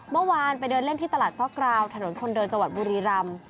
เมื่อวานไปเดินเล่นที่ตลาดซอกกราวถนนคนเดินจังหวัดบุรีรำ